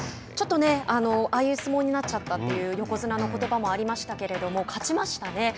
ちょっとねああいう相撲になっちゃったという横綱のことばもありましたけれども勝ちましたね。